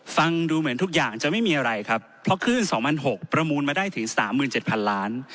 ฟังดูเหมือนทุกอย่างจะไม่มีอะไรครับเพราะคลื่น๒๖๐๐ประมูลมาได้ถึง๓๗๐๐ล้าน